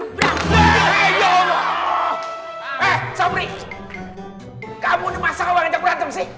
masak dong pane bebeknya paling beda karena ini bernama bebek